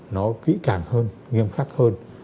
nó kỹ càng hơn nghiêm khắc hơn